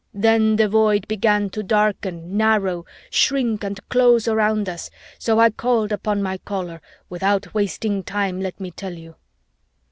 Then the Void began to darken, narrow, shrink and close around us, so I called upon my Caller without wasting time, let me tell you!